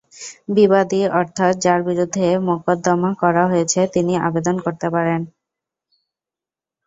বিবাদী অর্থাৎ যাঁর বিরুদ্ধে মোকদ্দমা করা হয়েছে, তিনিও আবেদন করতে পারেন।